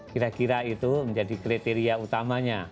kira kira itu menjadi kriteria utamanya